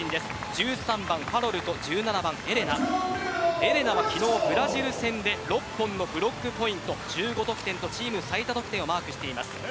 １３番ファロルとエレラエレラは昨日ブラジル戦で６本のブロックポイント１５得点と６本の得点とチーム最多得点をマークしています。